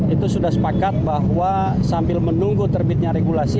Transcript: itu sudah sepakat bahwa sambil menunggu terbitnya regulasi